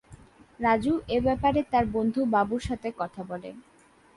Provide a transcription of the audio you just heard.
রাজু এ ব্যাপারে তার বন্ধু বাবুর সাথে কথা বলে।